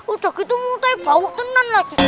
udah gitu tapi bau tenang lagi